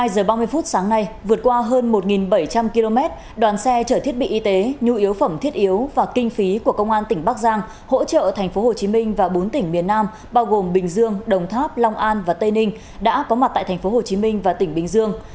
một mươi giờ ba mươi phút sáng nay vượt qua hơn một bảy trăm linh km đoàn xe chở thiết bị y tế nhu yếu phẩm thiết yếu và kinh phí của công an tỉnh bắc giang hỗ trợ tp hcm và bốn tỉnh miền nam bao gồm bình dương đồng tháp long an và tây ninh đã có mặt tại tp hcm và tỉnh bình dương